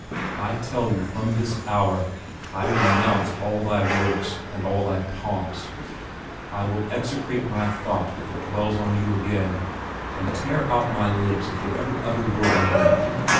I tell you from this hour I renounce all thy works and all thy pomps! I will execrate my thought if it dwell on you again, and tear out my lips if they ever utter your name!